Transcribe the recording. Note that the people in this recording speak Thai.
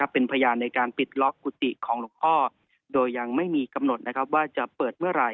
เป็นพยานในการปิดล็อกกุฏิของหลวงพ่อโดยยังไม่มีกำหนดนะครับว่าจะเปิดเมื่อไหร่